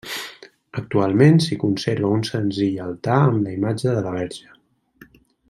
Actualment s'hi conserva un senzill altar amb la imatge de la Verge.